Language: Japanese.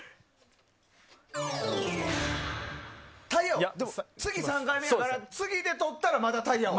タイヤ王、次３回目やから次でとったら、まだタイヤ王。